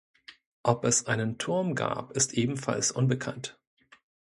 Ob es einen Turm gab, ist ebenfalls unbekannt.